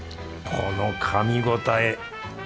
このかみ応え。